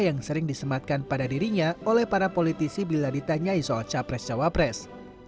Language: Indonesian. yang sering disematkan pada dirinya oleh para politisi bila ditanyai soal capres cawapres